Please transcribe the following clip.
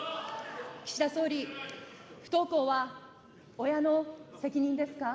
岸田総理、不登校は親の責任ですか。